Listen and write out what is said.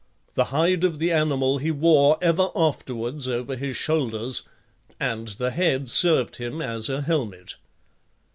The hide of the animal he wore ever afterwards over his shoulders, and the head served him as a helmet.